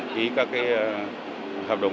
ký các hợp đồng